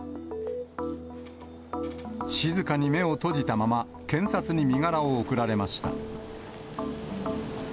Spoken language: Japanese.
静かに目を閉じたまま、検察に身柄を送られました。